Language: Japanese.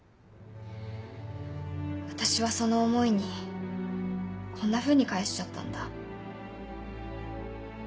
私はその思いにこんなふうに返しちゃったんだ。